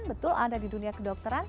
betul ada di dunia kedokteran